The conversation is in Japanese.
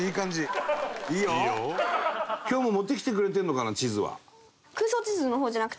今日も持ってきてくれてるのかな地図は。